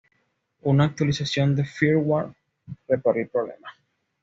Una actualización de firmware reparó el problema.